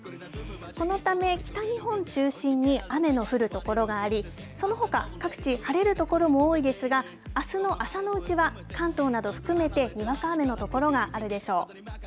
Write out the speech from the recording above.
このため、北日本中心に雨の降る所があり、そのほか、各地晴れる所も多いですが、あすの朝のうちは、関東など含めてにわか雨の所があるでしょう。